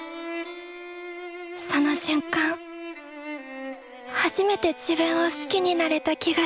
その瞬間初めて自分を好きになれた気がしたのです